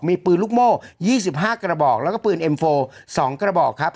มีปืนลูกโม่๒๕กระบอกแล้วก็ปืนเอ็มโฟ๒กระบอกครับ